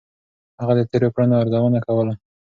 هغه د تېرو کړنو ارزونه کوله.